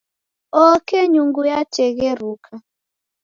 Oke nyungu yategheruka.